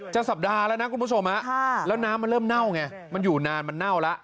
สัปดาห์แล้วนะคุณผู้ชมแล้วน้ำมันเริ่มเน่าไงมันอยู่นานมันเน่าแล้ว